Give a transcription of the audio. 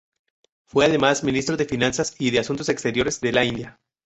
Fue además Ministro de Finanzas y de Asuntos Exteriores de la India.